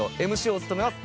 ＭＣを務めます